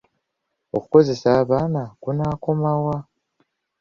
Okukozesa abaana kunaakoma wa?